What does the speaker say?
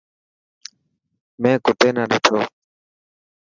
مين ڪتي نا ڏنو.